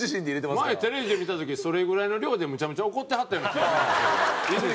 前テレビで見た時それぐらいの量でめちゃめちゃ怒ってはったような気がするんですけど。